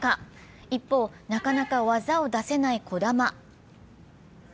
一方、なかなか技を出せない児玉。